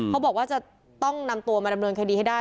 เขาบอกว่าจะต้องนำตัวมาดำเนินคดีให้ได้